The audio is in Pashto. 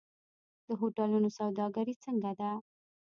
د هوټلونو سوداګري څنګه ده؟